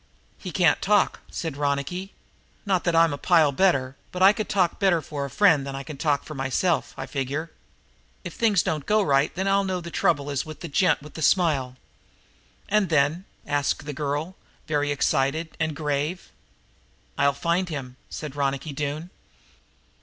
"He can't talk," said Ronicky. "Not that I'm a pile better, but I could talk better for a friend than he could talk for himself, I figure. If things don't go right then I'll know that the trouble is with the gent with the smile." "And then?" asked the girl, very excited and grave. "I'll find him," said Ronicky Doone.